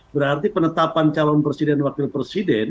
berarti penetapan calon presiden dan wakil presiden